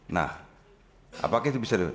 nah apakah itu bisa